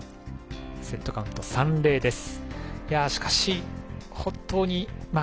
セットカウント３−０です。